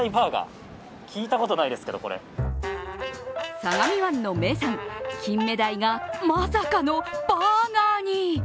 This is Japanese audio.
相模湾の名産、きんめだいがまさかのバーガーに。